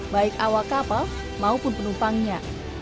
baik awak kapal maupun penumpangnya